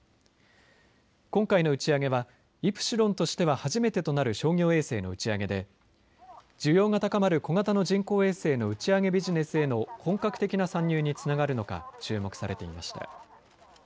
今回の打ち上げはイプシロンとしては初めてとなる商業衛星の打ち上げで需要が高まる小型の人工衛星の打ち上げビジネスへの本格的な参入につながるのか注目されていました。